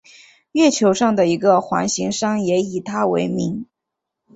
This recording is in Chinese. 月球上的一个环形山也以他为名。